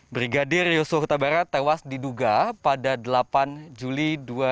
brigadir yosua huta barat tewas diduga pada delapan juli dua ribu dua puluh